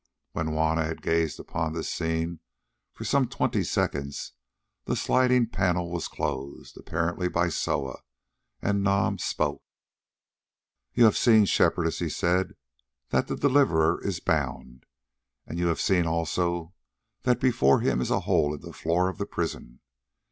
When Juanna had gazed upon this scene for some twenty seconds the sliding panel was closed, apparently by Soa, and Nam spoke: "You have seen, Shepherdess," he said, "that the Deliverer is bound, and you have seen also that before him is a hole in the floor of the prison.